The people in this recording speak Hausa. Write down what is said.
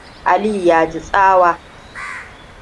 Aliyu ya ji tsawa.